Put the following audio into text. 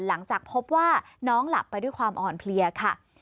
หลังจากพบว่าน้องหลับไปด้วยความอ่อนเพลียค่ะ